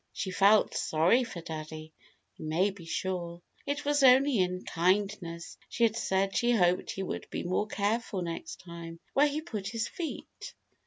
She felt sorry for Daddy, you may be sure. It was only in kindness she had said she hoped he would be more careful next time where he put his feet.